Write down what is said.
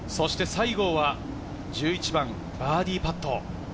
西郷は１１番バーディーパット。